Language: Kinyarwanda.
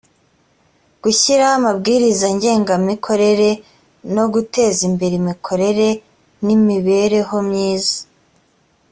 gushyiraho amabwiriza ngengamikorere no guteza imbere imikorere n imibereho myiza